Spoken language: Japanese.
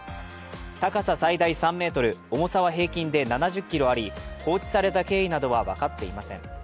高さ最大３ｍ重さは平均で７０ｋｇあり放置された経緯などは分かっていません。